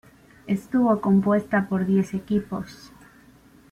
Estuvo compuesta por diez equipos.